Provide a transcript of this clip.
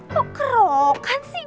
kok kerokan sih